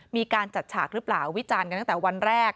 มีการจัดฉากหรือเปล่าวิจารณ์กันตั้งแต่วันแรก